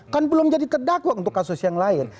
kan belum jadi terdakwa untuk kasus yang lain